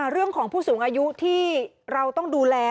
เรื่องของผู้สูงอายุที่เราต้องดูแล